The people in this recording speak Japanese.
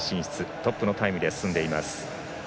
トップのタイムで進んでいます。